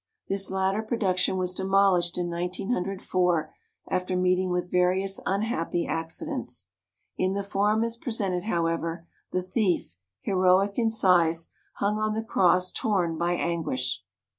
This latter pro duction was demolished in 1904, after meet ing with various unhappy accidents. In the form as presented, however, the thief, he roic in size, hung on the cross torn by an guish.